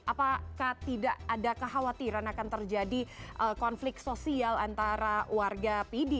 apakah tidak ada kekhawatiran akan terjadi konflik sosial antara warga pidi